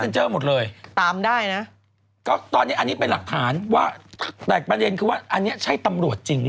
ลูกชายคุณแม่สวยมากผมเคยเจอตัวจริง